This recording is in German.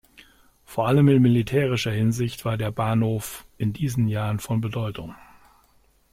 Vor allem in militärischer Hinsicht war der Bahnhof in diesen Jahren von Bedeutung.